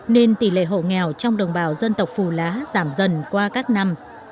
nên tỷ lệ hộ nghèo trong đồng bào dân tộc phù lá giảm dần qua các năm